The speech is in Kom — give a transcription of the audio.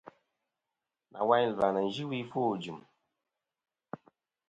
Nawayn ɨ̀lvɨ-a nɨn yɨ wi ɨfwo ɨjɨ̀m.